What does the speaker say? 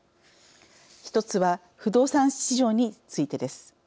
１つは不動産市場についてです。